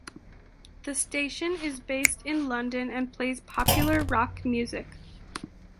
The station is based in London and plays popular rock music.